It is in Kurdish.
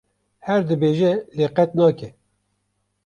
Her dibêje lê qet nake.